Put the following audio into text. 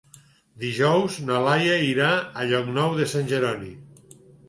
Dijous na Laia irà a Llocnou de Sant Jeroni.